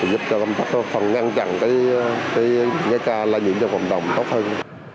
giúp cho công tác phần ngăn chặn những ca la nhiễm trong cộng đồng tốt hơn